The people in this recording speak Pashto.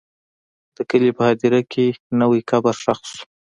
د کلي په هدیره کې نوی قبر ښخ شو.